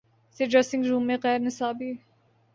سے dressing room میں غیر نصابی